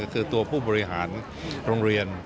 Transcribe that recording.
คือตัวผู้บริหารโรงเรียน